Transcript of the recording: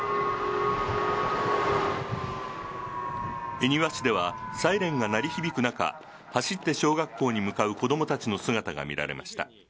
恵庭市ではサイレンが鳴り響く中走って小学校に向かう子供たちの姿が見られました。